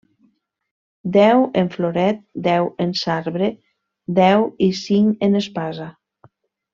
Deu en floret, deu en sabre deu i cinc en espasa.